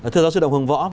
thưa giáo sư đồng hùng võ